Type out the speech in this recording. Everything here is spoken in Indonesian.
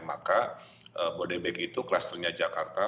maka bodebek itu klusternya jakarta